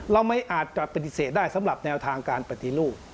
เราไม่อาจจะปฏิเสธได้สำหรับแนวทางการปฏิรูป